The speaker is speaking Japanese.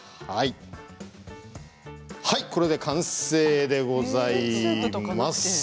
はい、これで完成でございます。